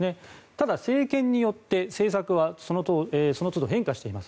ただ、政権によって政策はそのつど変化しています。